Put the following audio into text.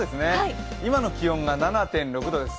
今の気温が７．６度です。